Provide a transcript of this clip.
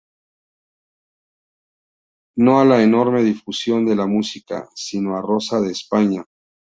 no a la enorme difusión de la música, sino a Rosa de España